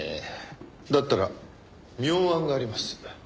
だったら妙案があります。